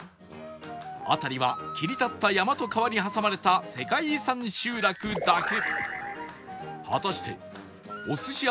辺りは切り立った山と川に挟まれた世界遺産集落だけ